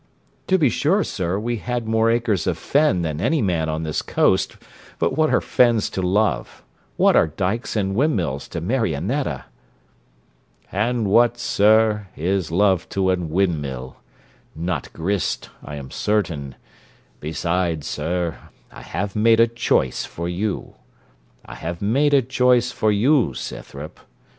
'To be sure, sir, we had more acres of fen than any man on this coast: but what are fens to love? What are dykes and windmills to Marionetta?' 'And what, sir, is love to a windmill? Not grist, I am certain: besides, sir, I have made a choice for you. I have made a choice for you, Scythrop.